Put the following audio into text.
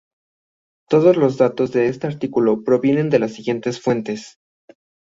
Todos los datos de este artículo provienen de las siguientes fuentes.